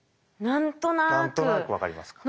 何となく分かりますか。